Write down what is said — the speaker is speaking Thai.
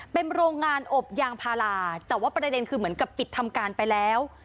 เป็นโรงงานอบยางพาราแต่ว่าประเด็นคือเหมือนกับปิดทำการไปแล้ว